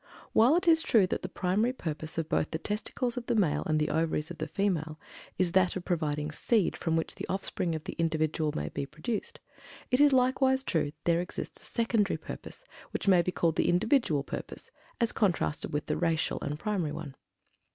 While it is true that the primary purpose of both the testicles of the male, and the Ovaries of the female, is that of providing SEED from which the offspring of the individual may be produced, it is likewise true that there exists a secondary purpose which may be called the "individual" purpose as contrasted with the "racial" and primary one.